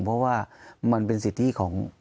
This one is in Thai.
เพราะว่ามันเป็นสิทธิของ